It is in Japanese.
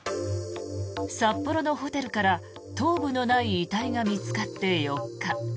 札幌のホテルから頭部のない遺体が見つかって４日。